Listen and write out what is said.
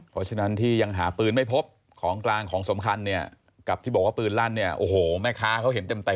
เพราะฉะนั้นที่ยังหาปืนไม่พบของกลางของสำคัญเนี่ยกับที่บอกว่าปืนลั่นเนี่ยโอ้โหแม่ค้าเขาเห็นเต็ม